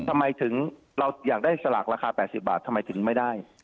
ทำไมถึงเราอยากได้สลากราคา๘๐บาททำไมถึงไม่ได้